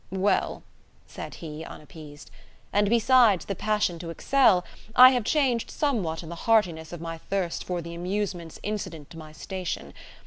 "Well," said he, unappeased, "and besides the passion to excel, I have changed somewhat in the heartiness of my thirst for the amusements incident to my station.